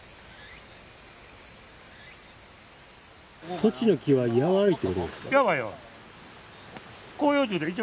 トチの木はやわいってことですか？